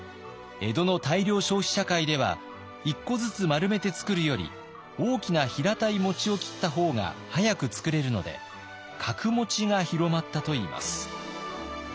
江戸の大量消費社会では１個ずつ丸めて作るより大きな平たいを切った方が早く作れるので角が広まったといいます。